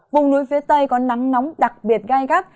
vùng núi phía tây có nắng nóng đặc biệt gai gắt